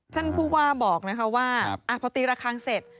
ท่านผู้ว่าบอกนะคะว่าพอตีระคังเสร็จ